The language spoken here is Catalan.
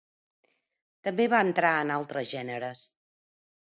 També va entrar en altres gèneres.